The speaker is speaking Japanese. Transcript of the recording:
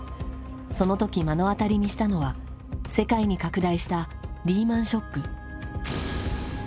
その時目の当たりにしたのは世界に拡大したリーマンショック。